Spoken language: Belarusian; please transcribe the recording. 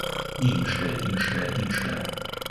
І іншае, іншае, іншае.